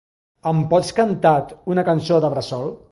Em pots cantat una cançó de bressol?